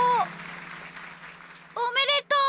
おめでとう！